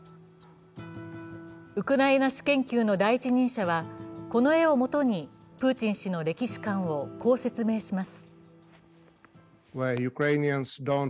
ウクライナ史研究の第一人者はこの絵をもとにプーチン氏の歴史観をこう説明します。